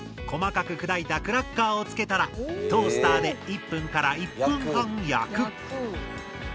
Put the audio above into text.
細かく砕いたクラッカーを付けたらトースターで１分１分半焼く。